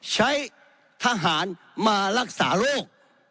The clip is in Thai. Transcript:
ใช้ทหารมารักษาโรค